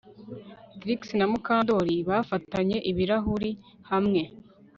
Trix na Mukandoli bafatanye ibirahuri hamwe